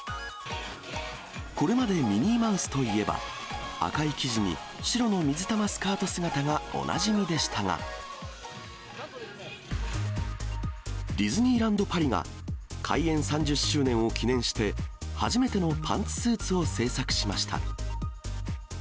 これまでミニーマウスといえば、赤い生地に白の水玉スカート姿がおなじみでしたが、ディズニーランド・パリが開園３０周年を記念して、初めてのパンツスーツを製作しました。